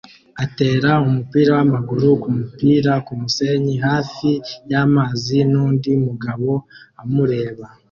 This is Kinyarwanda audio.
atera umupira wamaguru kumupira kumusenyi hafi yamazi nundi mugabo amureba